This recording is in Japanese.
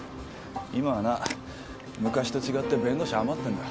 今はな昔と違って弁護士余ってんだ。